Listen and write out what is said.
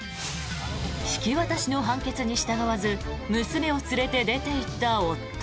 引き渡しの判決に従わず娘を連れて出ていった夫。